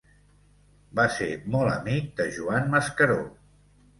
Va ser molt amic de Joan Mascaró.